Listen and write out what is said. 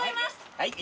はい。